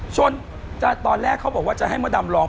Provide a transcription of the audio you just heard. ตอนแรกเขาบอกว่าจะให้มดดำลอง